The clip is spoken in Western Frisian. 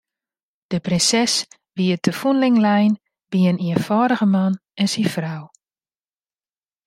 De prinses wie te fûnling lein by in ienfâldige man en syn frou.